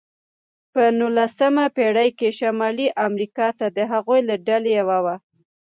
په نوولسمه پېړۍ کې شمالي امریکا د هغوی له ډلې یوه وه.